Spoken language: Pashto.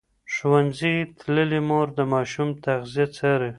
ښوونځې تللې مور د ماشوم تغذیه څاري.